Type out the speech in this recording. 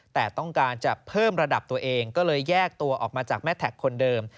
แต่ต้องการจะเพิ่มระดับตัวเองก็เลยแยกตัวออกมาจากแม่แท็กคนเดิม